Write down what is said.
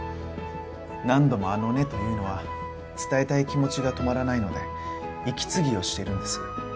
何度も「あのね」と言うのは伝えたい気持ちが止まらないので息継ぎをしているんです。